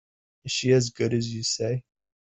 Is she as good as you say?